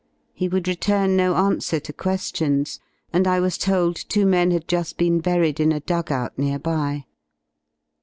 He would return no answer to que^ions, and I was told two men had ju^ been buried in a dug out near by.